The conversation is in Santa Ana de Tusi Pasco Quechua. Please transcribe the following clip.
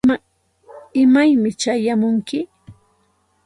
¿imaymi chayamunki?